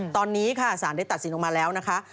ตอนนี้ค่ะสารได้ตัดสินออกมาแล้วนะคะ